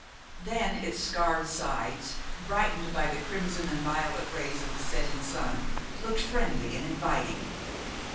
Then its scarred sides, brightened by the crimson and violet rays of the setting sun, looked friendly and inviting.